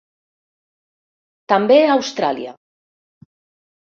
També a Austràlia.